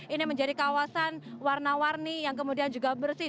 ini menjadi kawasan warna warni yang kemudian juga bersih